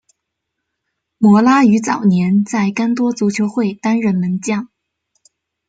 摩拉于早年在干多足球会担任门将。